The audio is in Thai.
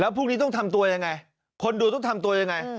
แล้วพรุ่งนี้ต้องทำตัวอย่างไรคนดูต้องทำตัวอย่างไร